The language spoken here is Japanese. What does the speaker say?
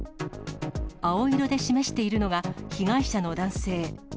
青色で示しているのが、被害者の男性。